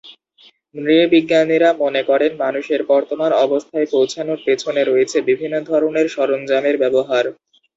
নৃ-বিজ্ঞানীরা মনে করেন মানুষের বর্তমান অবস্থায় পৌঁছানোর পেছনে রয়েছে বিভিন্ন ধরনের সরঞ্জামের ব্যবহার।